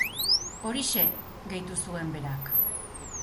Horixe! Gehitu zuen berak.